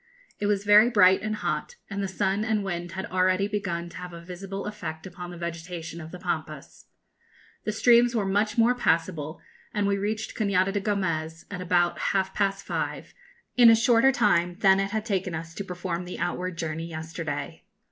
It was very bright and hot, and the sun and wind had already begun to have a visible effect upon the vegetation of the Pampas. The streams were much more passable, and we reached Cañada de Gomez at about half past five, in a shorter time, than it had taken us to perform the outward journey yesterday.